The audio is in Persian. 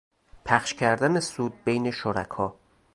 پخش کردن سود بین شرکا